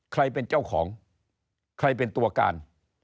ใครเป็นเจ้าของใครเป็นตัวการ